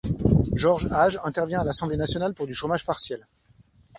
Georges Hage intervient à l'Assemblée nationale pour du chômage partiel.